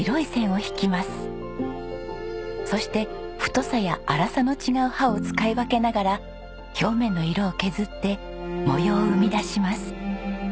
そして太さや粗さの違う刃を使い分けながら表面の色を削って模様を生み出します。